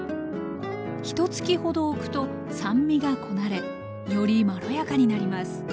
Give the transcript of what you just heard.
ひとつきほどおくと酸味がこなれよりまろやかになります。